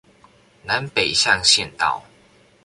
南北向縣道